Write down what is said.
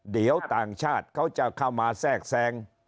เดี๋ยวต่างชาติเขาจะเข้ามาแทรกแทรง